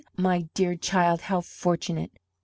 My dear child, how fortunate!